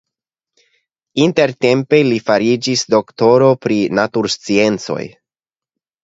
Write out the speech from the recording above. Intertempe li fariĝis doktoro pri natursciencoj.